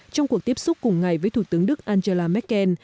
trong cuộc tiếp xúc cùng ngày với thủ tướng đức angela merkel